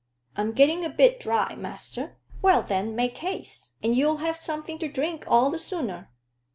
"I'm getting a bit dry, master." "Well, then, make haste, and you'll have something to drink all the sooner."